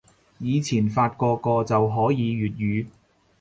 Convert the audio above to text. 以前發個個就可以粵語